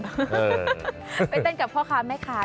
ไปเต้นกับพ่อค้าแม่ค้า